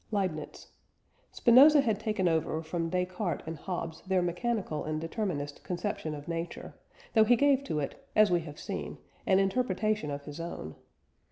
LEIBNIZ. Spinoza had taken over from Descartes and Hobbes their mechanical and determinist conception of nature, though he gave to it, as we have seen, an interpretation of his own.